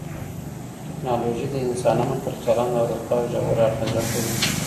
ټکنالوژي د انسانانو پر چلند او رفتار ژوره اغېزه کوي.